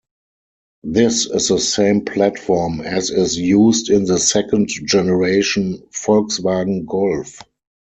This is the same platform as is used in the second generation Volkswagen Golf.